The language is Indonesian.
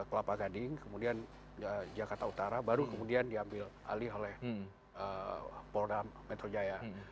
kelapa gading kemudian jakarta utara baru kemudian diambil alih oleh polda metro jaya